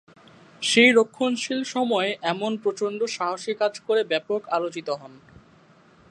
সেই রক্ষণশীল সময়ে এমন প্রচন্ড সাহসী কাজ করে ব্যাপক আলোচিত হন।